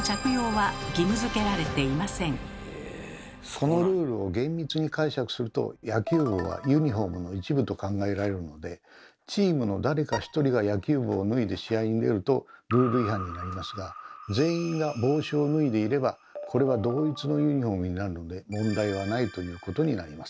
そのルールを厳密に解釈すると野球帽はユニフォームの一部と考えられるのでチームの誰か一人が野球帽を脱いで試合に出るとルール違反になりますが全員が帽子を脱いでいればこれは「同一のユニフォーム」になるので問題はないということになります。